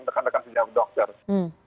dekan dekan sejauh dokter nah suasana